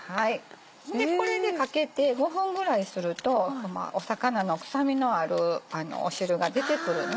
これでかけて５分ぐらいすると魚の臭みのある汁が出てくるのね。